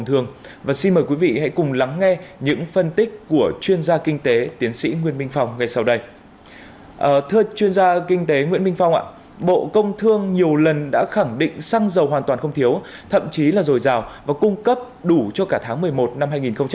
thưa chuyên gia kinh tế nguyễn minh phong bộ công thương nhiều lần đã khẳng định xăng dầu hoàn toàn không thiếu thậm chí là dồi dào và cung cấp đủ cho cả tháng một mươi một năm hai nghìn hai mươi